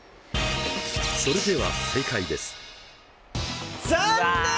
それでは正解です。